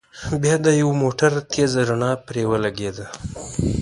بيا د يوه موټر تېزه رڼا پرې ولګېده.